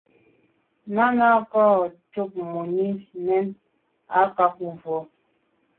Náná à’ cǎk mùní mɛ́n ǐ á càk vwá.